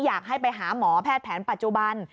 อยากให้ไปหาหมอแพทย์แผนปัจจุบัน